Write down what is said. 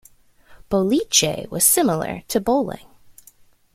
"Boliche" was similar to bowling.